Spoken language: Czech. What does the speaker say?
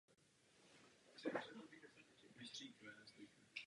Po vítězství v izraelské lize klub hrál i Ligu mistrů.